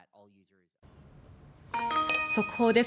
速報です。